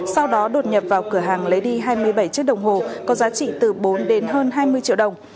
sau đó đột nhập vào cửa hàng lấy đi hai mươi bảy chiếc đồng hồ có giá trị từ bốn đến hơn hai mươi triệu đồng